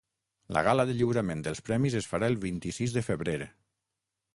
La gala de lliurament dels premis es farà el vint-i-sis de febrer.